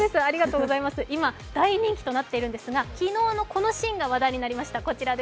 今、大人気となっているんですが、昨日のこのシーンがとなりました。